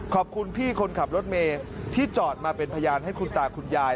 ขอบคุณพี่คนขับรถเมย์ที่จอดมาเป็นพยานให้คุณตาคุณยาย